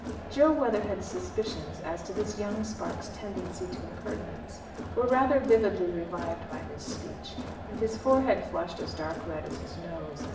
Jo Weatherhead's suspicions as to this young spark's tendency to impertinence were rather vividly revived by this speech, and his forehead flushed as dark a red as his nose.